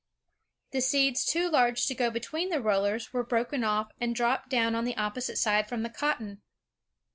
The seeds too large to go between the rbllers were broken off, and dropped down on the opposite side from the cotton.